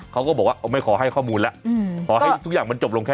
เขาก็บอกว่าไม่ขอให้ข้อมูลแล้วขอให้ทุกอย่างมันจบลงแค่